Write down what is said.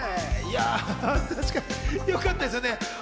確かによかったですよね。